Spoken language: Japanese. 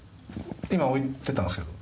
今置いてたんですよ。